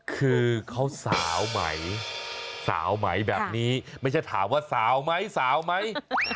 คือเขาสาวไหมสาวไหมแบบนี้ไม่ใช่ถามว่าสาวไหมสาวไหม